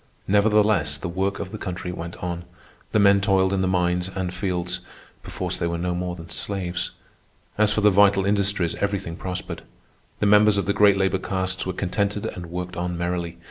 Nevertheless the work of the country went on. The men toiled in the mines and fields—perforce they were no more than slaves. As for the vital industries, everything prospered. The members of the great labor castes were contented and worked on merrily.